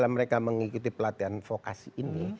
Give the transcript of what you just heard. mereka mengikuti pelatihan vokasi ini